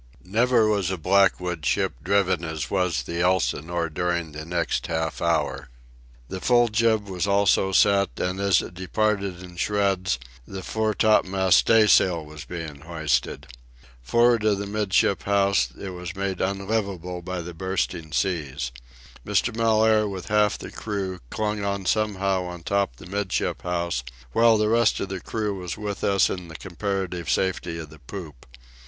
Never was a Blackwood ship driven as was the Elsinore during the next half hour. The full jib was also set, and, as it departed in shreds, the fore topmast staysail was being hoisted. For'ard of the 'midship house it was made unlivable by the bursting seas. Mr. Mellaire, with half the crew, clung on somehow on top the 'midship house, while the rest of the crew was with us in the comparative safety of the poop.